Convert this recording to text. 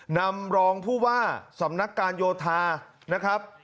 นำรองผู้ว่าสำนักการโยธานะครับ